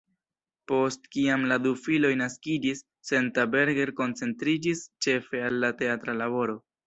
Post kiam la du filoj naskiĝis, Senta Berger koncentriĝis ĉefe al la teatra laboro.